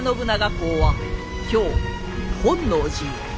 公は京本能寺へ。